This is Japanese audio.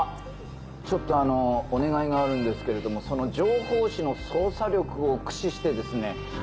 ちょっとお願いがあるんですけれどもその情報誌の捜査力を駆使してですね